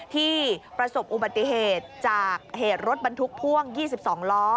ที่ประสบอุบัติเหตุจากเหตุรถบรรทุกพ่วง๒๒ล้อ